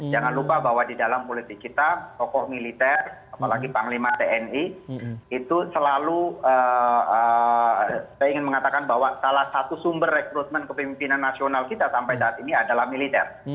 jangan lupa bahwa di dalam politik kita tokoh militer apalagi panglima tni itu selalu saya ingin mengatakan bahwa salah satu sumber rekrutmen kepimpinan nasional kita sampai saat ini adalah militer